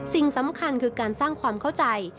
สิ่งสำคัญคือการสร้างความเข้าใจ